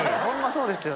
そうですよ。